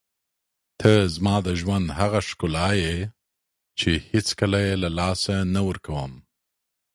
ته زما د ژوند هغه ښکلا یې چې هېڅکله یې له لاسه نه ورکوم.